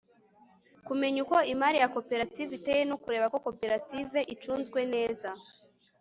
kumenya uko imari ya koperative iteye no kureba ko koperative icunzwe neza